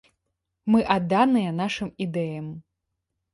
Мы адданыя нашым ідэям.